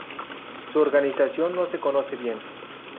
Su organización no se conoce bien.